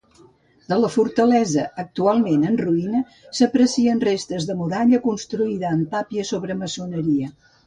De la fortalesa, actualment en ruïna, s'aprecien restes de muralla construïda amb tàpia sobre maçoneria.